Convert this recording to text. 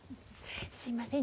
すいません